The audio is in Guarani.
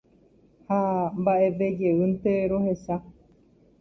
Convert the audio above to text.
Ha mba'evejeýnte rohecha.